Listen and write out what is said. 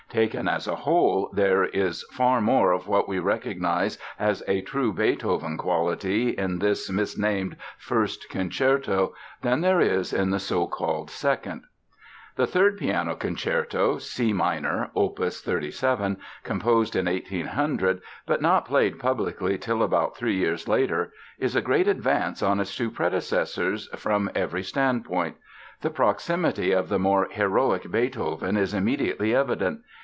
Taken as a whole, there is far more of what we recognize as a true Beethoven quality in this misnamed First Concerto than there is in the so called Second. The Third Piano Concerto (C minor, opus 37), composed in 1800 but not played publicly till about three years later, is a great advance on its two predecessors from every standpoint. The proximity of the more "heroic" Beethoven is immediately evident.